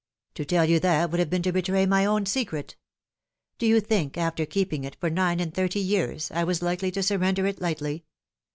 " To tell you that would have been to betray my own secret. Do you think, after keeping it for nine and thirty years, I was likely to surrender it lightly